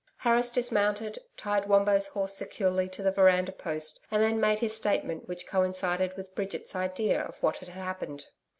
Harris dismounted, tied Wombo's horse securely to the veranda post and then made his statement which coincided with Bridget's idea of what had happened.